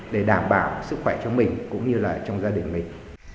để đảm bảo sức khỏe cho mình cũng như là trong gia đình mình